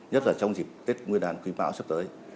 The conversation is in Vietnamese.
nhất là trong dịp tết nguyên đàn quý bão sắp tới